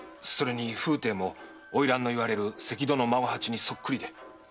風体も花魁の言う関戸の孫八にそっくりで。